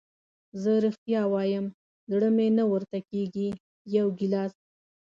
زه رښتیا وایم زړه مې نه ورته کېږي، یو ګیلاس.